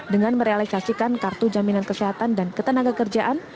dengan merealisasikan kartu jaminan kesehatan dan ketenagakerjaan